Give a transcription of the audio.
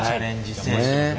精神ね。